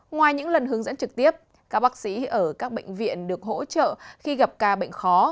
ngoài những lần hướng dẫn trực tiếp các bác sĩ ở các bệnh viện được hỗ trợ khi gặp ca bệnh khó